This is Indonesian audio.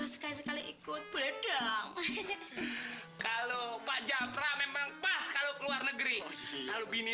sampai jumpa di video selanjutnya